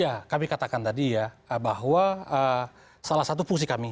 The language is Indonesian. ya kami katakan tadi ya bahwa salah satu fungsi kami